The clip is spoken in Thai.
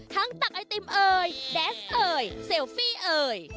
ตักไอติมเอ่ยแดสเอ่ยเซลฟี่เอ่ย